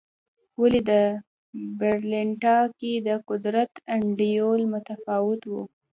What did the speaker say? ولې د برېټانیا کې د قدرت انډول متفاوت و.